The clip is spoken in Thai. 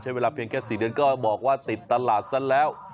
ใช้เวลาเพียงแค่๔เดือนก็บอกว่าติดตลาดซะแล้ว